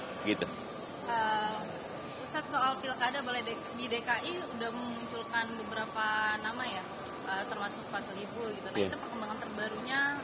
ustadz soal pilkada di dki sudah memunculkan beberapa nama ya termasuk pasal ibu